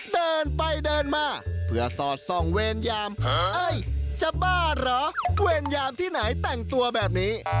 เดินไปเดินมาเพื่อสอดส่องเวรยามเอ้ยจะบ้าเหรอเวรยามที่ไหนแต่งตัวแบบนี้